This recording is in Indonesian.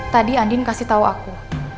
tadi andi kasih tau aku